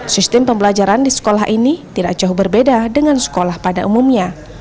sistem pembelajaran di sekolah ini tidak jauh berbeda dengan sekolah pada umumnya